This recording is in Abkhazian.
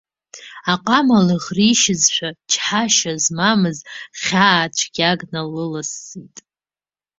Аҟама лыӷришьызшәа чҳашьа змамыз хьаа цәгьак налылсит.